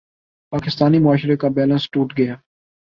پاکستانی معاشرے کا بیلنس ٹوٹ گیا۔